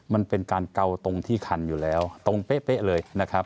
มันเป็นการเกาตรงที่คันอยู่แล้วตรงเป๊ะเลยนะครับ